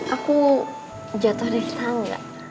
aku jatuh dari tangga